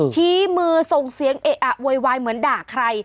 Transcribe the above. ชี้มือส่งเสียงเอะอะโวยวายเหมือนด่าใคร